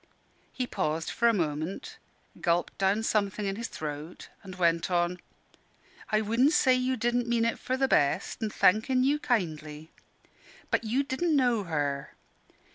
He paused for a moment, gulped down something in his throat, and went on "I wudn' say you didn' mean it for the best, an' thankin' you kindly. But you didn' know her.